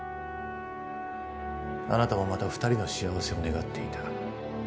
あなたもまた２人の幸せを願っていた。